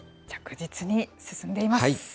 着実に進んでいます。